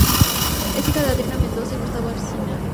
Es hija de Adriana Mendoza y Gustavo Asnicar.